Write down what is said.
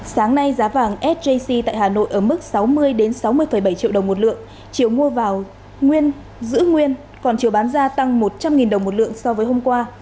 sáng nay giá vàng sjc tại hà nội ở mức sáu mươi sáu mươi bảy triệu đồng một lượng chiều mua vào nguyên giữ nguyên còn chiều bán ra tăng một trăm linh đồng một lượng so với hôm qua